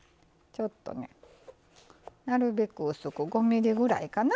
なるべく薄く５ｍｍぐらいかな。